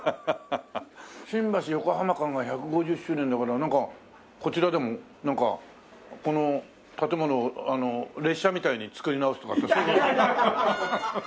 新橋横浜間が１５０周年だからなんかこちらでもなんかこの建物を列車みたいに作り直すとかってそういうのは。